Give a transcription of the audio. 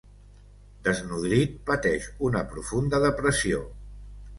Desnodrit, pateix una profunda depressió.